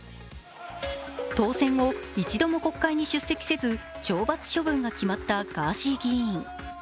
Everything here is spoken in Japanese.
当選後、一度も国会に出席せず、懲罰処分が決まったガーシー議員。